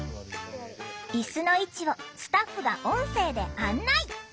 椅子の位置をスタッフが音声で案内！